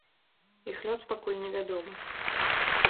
Іх лёс пакуль невядомы.